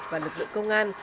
và lực lượng công an